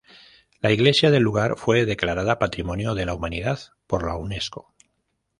La iglesia del lugar fue declarada Patrimonio de la Humanidad por la Unesco.